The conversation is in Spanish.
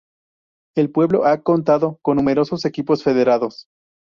El pueblo ha contado con numerosos equipos federados.